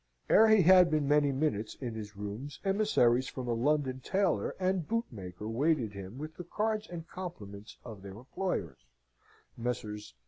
Ere he had been many minutes in his rooms, emissaries from a London tailor and bootmaker waited him with the cards and compliments of their employers, Messrs.